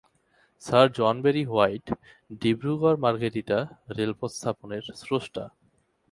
Sir John Berry White ডিব্রুগড়-মার্ঘেরিটা রেল-পথ স্থাপনের স্রষ্টা।